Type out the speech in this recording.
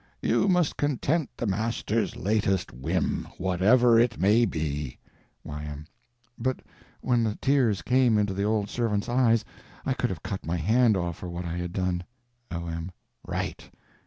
You must content the Master's _latest _whim, whatever it may be. Y.M. But when the tears came into the old servant's eyes I could have cut my hand off for what I had done. O.M. Right.